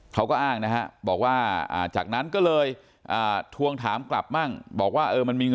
เขาก็อ้างนะฮะบอกว่าจากนั้นก็เลยทวงถามกลับบ้าง